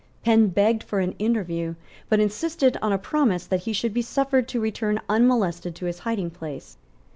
Penn begged for an interview, but insisted on a promise that he should be suffered to return unmolested to his hiding place.